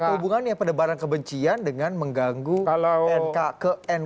ada hubungannya penebaran kebencian dengan mengganggu ke nkri an